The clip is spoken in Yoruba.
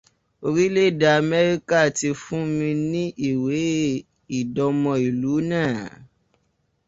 Orílẹ̀èdè Amẹ́ríkà ti fún mi ní ìwé ìdọmọ ìlú náà.